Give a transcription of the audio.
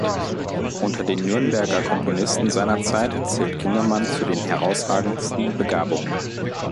Unter den Nürnberger Komponisten seiner Zeit zählt Kindermann zu den herausragendsten Begabungen.